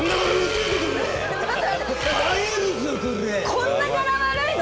こんなガラ悪いの？